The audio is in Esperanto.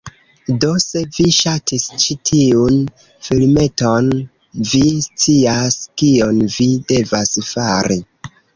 Do, se vi ŝatis ĉi tiun filmeton, vi scias kion vi devas fari.